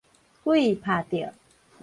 鬼拍著